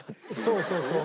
そうそうそう。